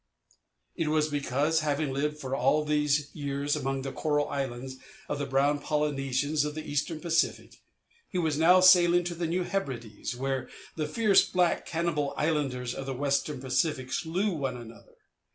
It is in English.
It was because, having lived for all those years among the coral islands of the brown Polynesians of the Eastern Pacific, he was now sailing to the New Hebrides, where the fierce black cannibal islanders of the Western Pacific slew one another.